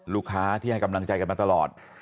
ลูกค้าที่ให้กำลังใจกันมาตลอด